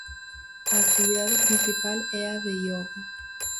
A actividade principal é a de ioga.